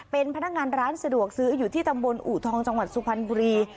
เป็นพนักงานร้านสะดวกซื้ออยู่ที่ตำบลอูทองจังหวัดสุพรรณบุรี